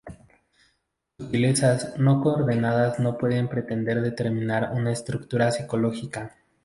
Sutilezas no coordenadas no pueden pretender determinar una estructura psicológica.